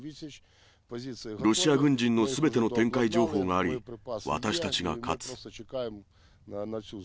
ロシア軍人のすべての展開情報があり、私たちが勝つ。